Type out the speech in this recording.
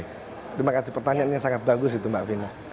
terima kasih pertanyaannya sangat bagus itu mbak vina